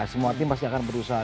semua tim pasti akan berusaha